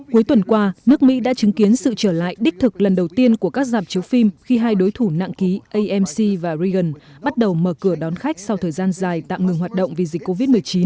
cuối tuần qua nước mỹ đã chứng kiến sự trở lại đích thực lần đầu tiên của các giảm chiếu phim khi hai đối thủ nặng ký amc và reagan bắt đầu mở cửa đón khách sau thời gian dài tạm ngừng hoạt động vì dịch covid một mươi chín